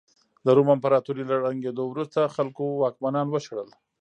د روم امپراتورۍ له ړنګېدو وروسته خلکو واکمنان وشړل